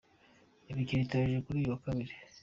Imikino iteganyijwe kuri uyu wa Kabiri